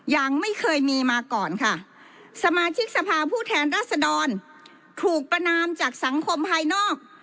ยังไม่เคยมีมาก่อนค่ะสมาชิกสภาผู้แทนรัศดรถูกประนามจากสังคมภายนอก